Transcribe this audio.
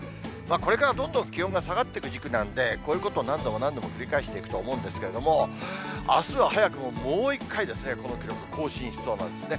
これからどんどん気温が下がっていく時期なんで、こういうこと、何度も何度も繰り返していくと思うんですけれども、あすは早くももう一回ですね、この記録、更新しそうなんですね。